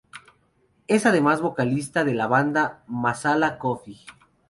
Es además vocalista de la banda Masala Coffee.